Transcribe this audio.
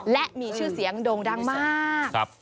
และมีชื่อเสียงโด่งดังมาก